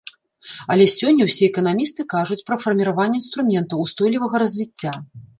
Але сёння ўсе эканамісты кажуць пра фарміраванне інструментаў устойлівага развіцця.